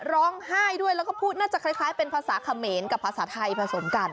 ร้องไห้ด้วยแล้วก็พูดน่าจะคล้ายเป็นภาษาเขมรกับภาษาไทยผสมกัน